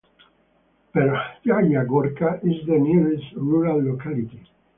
Verkhnyaya Gorka is the nearest rural locality.